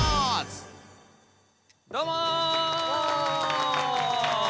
どうも！